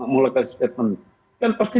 mulakan step men kan pasti